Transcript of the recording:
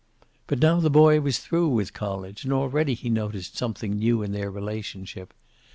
But now the boy was through with college, and already he noticed something new in their relationship.